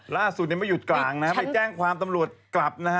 ร่าสุดยังไม่หยุดกลางไม่แจ้งความทำรวจกลับ